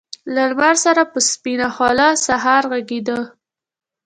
له لمر سره په سپينه خــــوله سهار غــــــــږېده